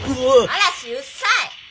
嵐うっさい！